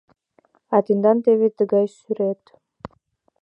— А тендан теве тыгай сӱрет.